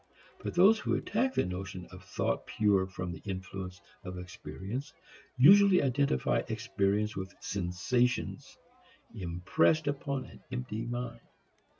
But those who attack the notion of thought pure from the influence of experience, usually identify experience with sensations impressed upon an empty mind.